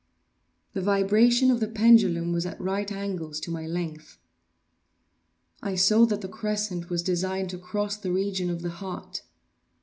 The vibration of the pendulum was at right angles to my length. I saw that the crescent was designed to cross the region of the heart.